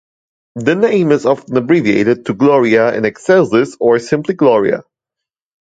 The name is often abbreviated to Gloria in Excelsis or simply Gloria.